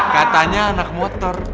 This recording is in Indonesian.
katanya anak motor